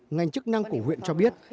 ngành chức năng của huyện cho biết